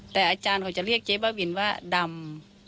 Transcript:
แต่อาจารย์เขาจะเรียกเจ๊บ้าบินว่าดำ